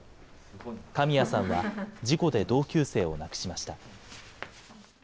神谷さんは事故で同級生を亡くしました。